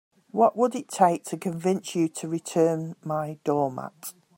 What would it take to convince you to return my doormat?